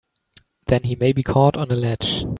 Then he may be caught on a ledge!